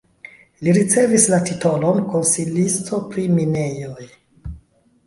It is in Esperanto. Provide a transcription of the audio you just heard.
Li ricevis la titolon konsilisto pri minejoj.